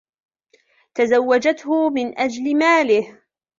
تزوجته من أجل ماله.